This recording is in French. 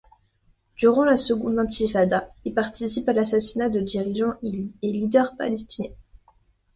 Durant la seconde Intifada, il participe à l'assassinat de dirigeants et leaders palestiniens.